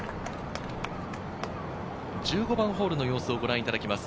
１５番ホールの様子をご覧いただきます。